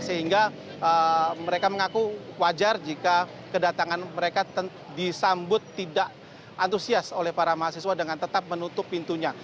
sehingga mereka mengaku wajar jika kedatangan mereka disambut tidak antusias oleh para mahasiswa dengan tetap menutup pintunya